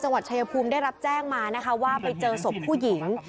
ชายภูมิได้รับแจ้งมานะคะว่าไปเจอศพผู้หญิง